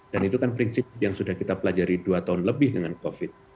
dan itu kan prinsip yang sudah kita pelajari dua tahun lebih dengan covid